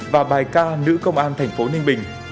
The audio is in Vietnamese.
và bài ca nữ công an thành phố ninh bình